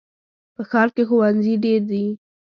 په ښار کې ښوونځي ډېر دي.